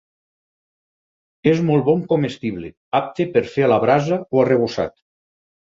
És molt bon comestible, apte per fer a la brasa o arrebossat.